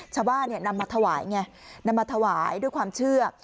ชาวบ้านนำมาถวายไงนำมาถวายด้วยความเชื่อ